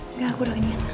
nggak aku udah kenyang